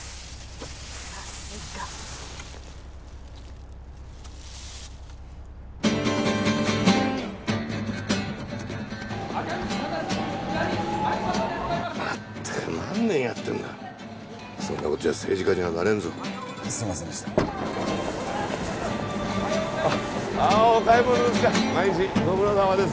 さすがまったく何年やってんだそんなことじゃ政治家になれんぞすいませんでしたお買い物ですか毎日ご苦労さまです